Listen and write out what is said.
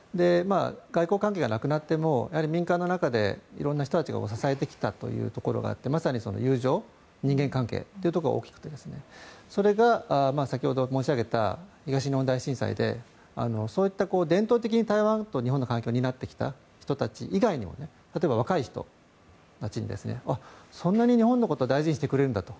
外交関係がなくなっても民間の中で色んな人たちが支えてきたというところがあってまさに友情人間関係というところが大きくてそれが先ほど申し上げた東日本大震災で、そういった伝統的に台湾と日本の関係を担ってきた人たち以外にも例えば若い人たちにあ、そんなに日本のことを大事にしてくれるんだと。